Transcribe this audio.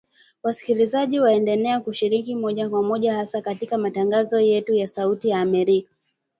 Wasikilizaji waendelea kushiriki moja kwa moja hasa katika matangazo yetu ya Sauti ya Amerika.